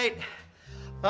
maaf saya terlambat